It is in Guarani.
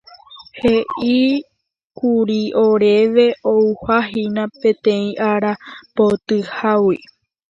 He'íkuri oréve ouhahína peteĩ arambotyhágui.